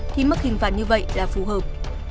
thì mức hình phạt như vậy là phù hợp